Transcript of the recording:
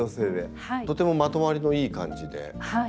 とてもまとまりのいい感じで。